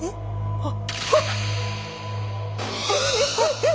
あっ！